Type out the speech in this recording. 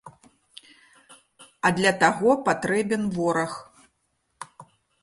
А для таго патрэбен вораг.